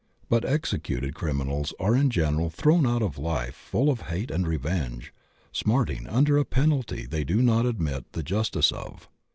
But executed criminals are in general thrown out of life full of hate and revenge, smarting under a penalty they do not admit the justice of.